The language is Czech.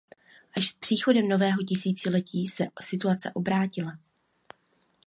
Až s příchodem nového tisíciletí se situace obrátila.